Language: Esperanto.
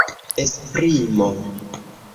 esprimo